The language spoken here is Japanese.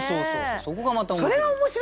そこがまた面白い。